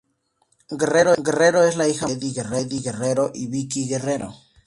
Guerrero es la hija mayor de Eddie Guerrero y Vickie Guerrero.